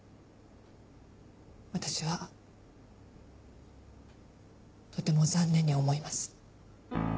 私はとても残念に思います。